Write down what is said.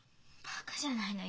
バカじゃないの？